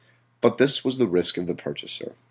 But this was the risk of the purchaser.